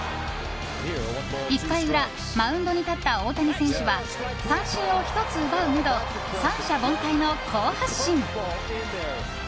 １回裏マウンドに立った大谷選手は三振を１つ奪うなど三者凡退の好発進。